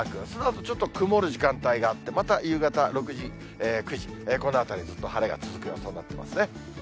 そのあと、ちょっと曇る時間帯があって、また夕方６時、９時、このあたりずっと晴れが続く予想になっていますね。